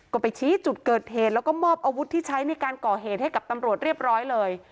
ก็ไปชี้จุดเกิดเหตุแล้วก็มอบอาวุธที่ใช้ในการก่อเหตุให้กับตำรวจเรียบร้อยเลย